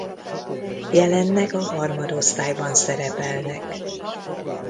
Jelenleg a harmadosztályban szerepelnek.